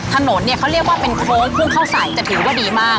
ถนนเนี่ยเขาเรียกว่าเป็นโค้งพุ่งเข้าใส่จะถือว่าดีมาก